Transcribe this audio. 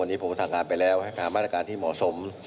วันนี้ผมทางการไปแล้วหาบรรณาการที่เหมาะสม